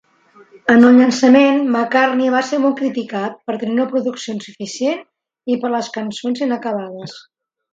En el llançament, "McCartney" va ser molt criticat per tenir una producció insuficient i per les cançons inacabades.